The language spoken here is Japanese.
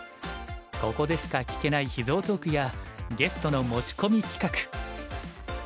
ここでしか聞けない秘蔵トークやゲストの持ち込み企画。